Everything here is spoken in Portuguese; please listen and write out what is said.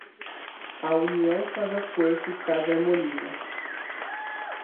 A união faz a força e traz harmonia.